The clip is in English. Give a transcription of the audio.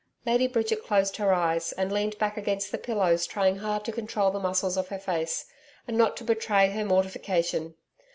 Lady Bridget closed her eyes, and leaned back against the pillows trying hard to control the muscles of her face, and not to betray her mortification.